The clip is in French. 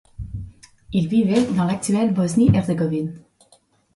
Ils vivaient dans l'actuelle Bosnie-Herzégovine.